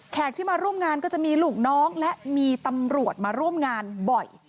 ที่มาร่วมงานก็จะมีลูกน้องและมีตำรวจมาร่วมงานบ่อย